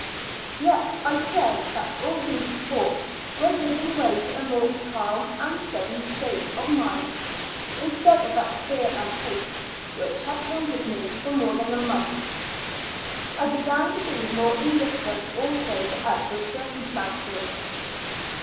Yet, I say, that all these thoughts were giving way to a more calm and steady state of mind, instead of that fear and haste IN A L UNA TIG A STL U3I, 3 3 which had haunted me for more than a month ; I began to be more indifferent also to outward circumstances.